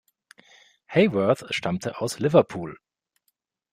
Haworth stammte aus Liverpool.